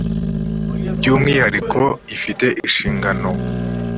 byu umwihariko nlc ifite inshingano nlc